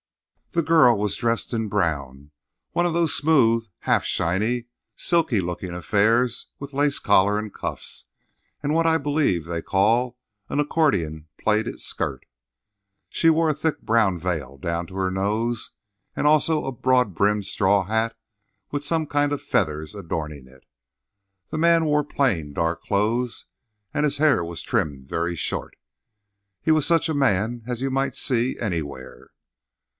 The girl was dressed in brown—one of these smooth, half shiny, silky looking affairs with lace collar and cuffs, and what I believe they call an accordion plaited skirt. She wore a thick brown veil down to her nose, and a broad brimmed straw hat with some kind of feathers adorning it. The man wore plain, dark clothes, and his hair was trimmed very short. He was such a man as you might see anywhere.